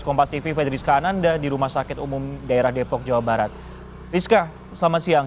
kompas tv fedrizka ananda di rumah sakit umum daerah depok jawa barat rizka selamat siang